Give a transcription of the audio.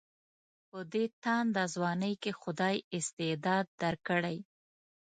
په دې تانده ځوانۍ کې خدای استعداد درکړی.